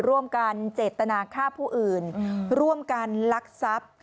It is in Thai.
ร่วมกันเจตนาฆ่าผู้อื่นร่วมกันลักทรัพย์